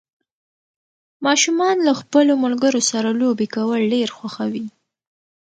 ماشومان له خپلو ملګرو سره لوبې کول ډېر خوښوي